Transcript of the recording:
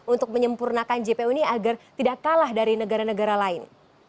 untuk menyempurnakan jpo ini agar tidak kalah dari negara negara lain